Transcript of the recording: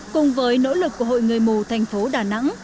cùng với nỗ lực của hội người mù thành phố đà nẵng